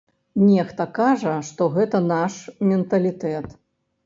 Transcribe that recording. Нехта кажа, што гэта наш менталітэт.